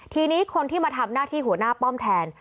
ทีนี้คนที่มาทำหน้าที่หัวหน้าป้อมแทน